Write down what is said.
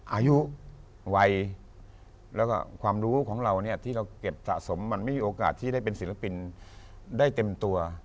อายุวัยแล้วก็ความรู้ของเราเนี่ยที่เราเก็บสะสมมันไม่มีโอกาสที่ได้เป็นศิลปินได้เต็มตัว